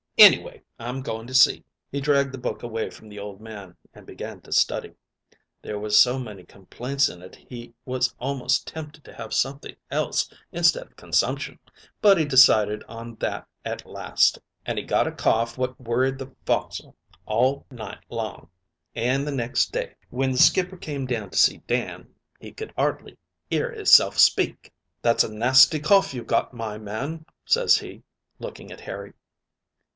Anyway, I'm going to see.' "He dragged the book away from the old man, and began to study. There was so many complaints in it he was almost tempted to have something else instead of consumption, but he decided on that at last, an' he got a cough what worried the foc'sle all night long, an' the next day, when the skipper came down to see Dan, he could 'ardly 'ear hisself speak. "That's a nasty cough you've got, my man,' ses he, looking at Harry.